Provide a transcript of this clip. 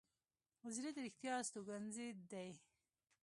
زړه د رښتیا استوګنځی دی.